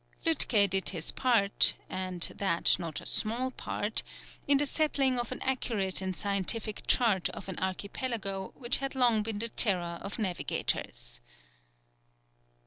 Lütke did his part and that not a small part in the settling of an accurate and scientific chart of an archipelago which had long been the terror of navigators.